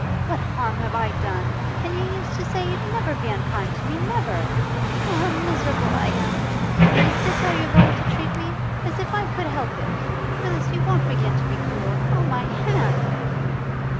What harm have I done? And you used to say you'd never be unkind to me, never! Oh, how miserable I am! Is this how you're going to treat me? As if I could help it! Willis, you won't begin to be cruel? Oh, my hand!